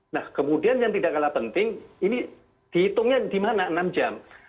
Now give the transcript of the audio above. nah kemudian yang tidak kalah penting ini dihitungnya di mana enam jam